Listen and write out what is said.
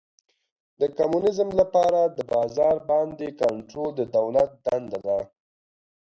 د کمونیزم لپاره د بازار باندې کنټرول د دولت دنده ده.